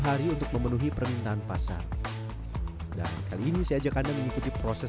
hari untuk memenuhi permintaan pasar dan kali ini saya ajak anda mengikuti proses